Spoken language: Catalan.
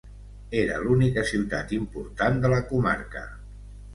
Era l'única ciutat important de la comarca.